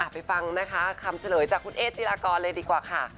ไปฟังนะคะคำเฉลยจากคุณเอ๊จิลากรเลยดีกว่าค่ะ